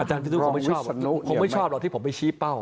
อาจารย์วิศนุคงไม่ชอบคงไม่ชอบหรอกที่ผมไปชี้เป้า